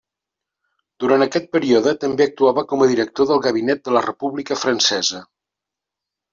Durant aquest període també actuava com a director del gabinet de la República Francesa.